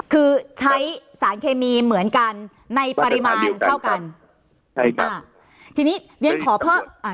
คือใช้สารเคมีเหมือนกันในปริมาณเท่ากันใช่ค่ะทีนี้เรียนขอเพิ่มอ่า